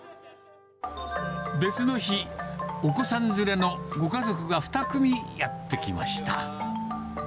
別の日、お子さん連れのご家族が２組やって来ました。